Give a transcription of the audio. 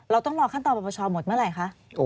ต้องรอขั้นตอนปรปชหมดเมื่อไหร่คะ